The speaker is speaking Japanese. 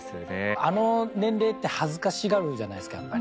あの年齢って恥ずかしがるじゃないですかやっぱり。